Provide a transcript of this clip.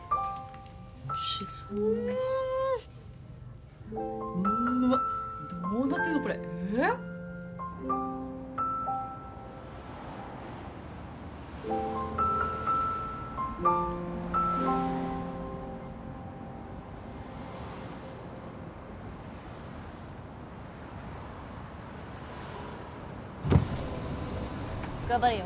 おいしそううんうわっどうなってるのこれえっ頑張れよ